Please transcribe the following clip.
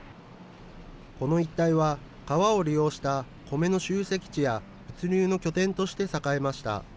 この一帯は川を利用した米の集積地や、物流の拠点として栄えました。